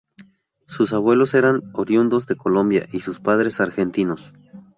Sus abuelos eran oriundos de Colombia y sus padres argentinos.